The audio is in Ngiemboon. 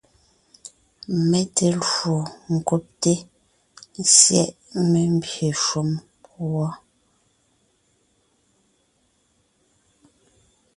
Mé te lwo ńkúbte/syɛ́ʼ membyè shúm wɔ́.